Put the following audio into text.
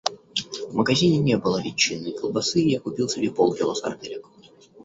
В магазине не было ветчинной колбасы, и я купил себе полкило сарделек.